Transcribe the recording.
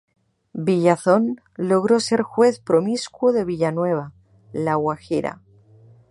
Villazón logró ser juez promiscuo de Villanueva, La Guajira.